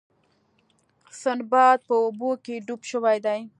سنباد په اوبو کې ډوب شوی دی.